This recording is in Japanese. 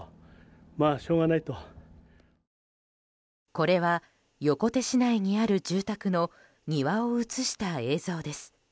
これは横手市内にある住宅の庭を映した映像です。